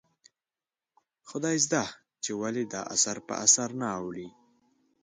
خدایزده چې ولې دا اثر په اثر نه اوړي ؟